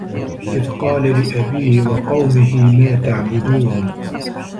إِذ قالَ لِأَبيهِ وَقَومِهِ ما تَعبُدونَ